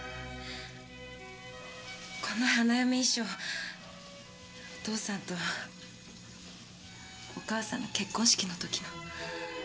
この花嫁衣裳お父さんとお母さんの結婚式の時の。